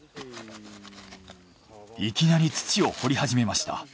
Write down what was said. いきなり土を掘り始めました。